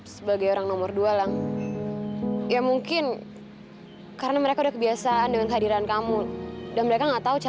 sampai jumpa di video selanjutnya